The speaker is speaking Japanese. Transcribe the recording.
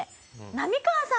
浪川さん？